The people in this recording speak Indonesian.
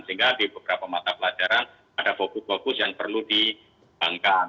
sehingga di beberapa mata pelajaran ada fokus fokus yang perlu dikembangkan